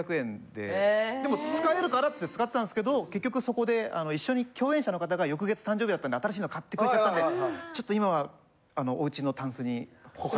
でも使えるからっつって使ってたんですけど結局そこで一緒に共演者の方が翌月誕生日だったんで新しいの買ってくれちゃったんでちょっと今はおうちのタンスに。